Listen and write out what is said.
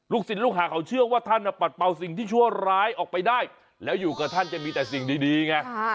ศิลปลูกหาเขาเชื่อว่าท่านปัดเป่าสิ่งที่ชั่วร้ายออกไปได้แล้วอยู่กับท่านจะมีแต่สิ่งดีไง